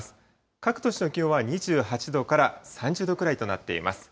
各都市の気温は２８度から３０度くらいとなっています。